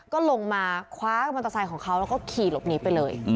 ก็ลงมาคว้ามอเตอร์ไซค์ของเขาแล้วก็ขี่หลบหนีไปเลย